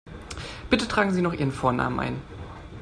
Bitte tragen Sie noch Ihren Vornamen ein.